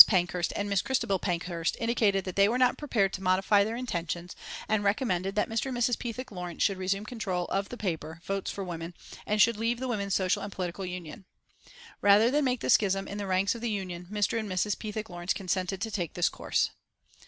Pankhurst and Miss Christabel Pankhurst indicated that they were not prepared to modify their intentions, and recommended that Mr. and Mrs. Pethick Lawrence should resume control of the Paper, Votes for Women, and should leave the Women's Social and Political Union. Rather than make schism in the ranks of the Union Mr. and Mrs. Pethick Lawrence consented to take this course.